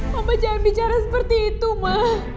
mama jangan bicara seperti itu ma